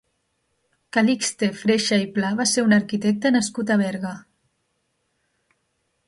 Calixte Freixa i Pla va ser un arquitecte nascut a Berga.